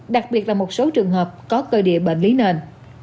đặc biệt là một số trường hợp có cơ địa bệnh lý nền